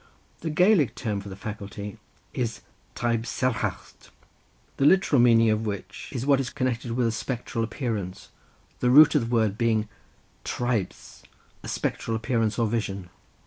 The Gaelic term for the faculty is taibhsearachd, the literal meaning of which is what is connected with a spectral appearance, the root of the word being taibhse, a spectral appearance or vision.